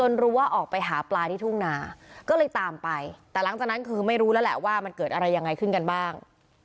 รู้ว่าออกไปหาปลาที่ทุ่งนาก็เลยตามไปแต่หลังจากนั้นคือไม่รู้แล้วแหละว่ามันเกิดอะไรยังไงขึ้นกันบ้าง